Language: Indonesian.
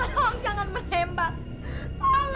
tolong jangan menembak